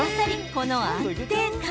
この安定感。